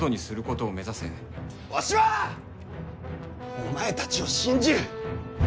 お前たちを信じる！